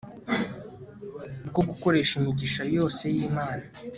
bwo gukoresha imigisha yose yImana